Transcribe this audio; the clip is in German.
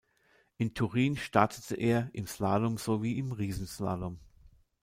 In Turin startete er im Slalom sowie im Riesenslalom.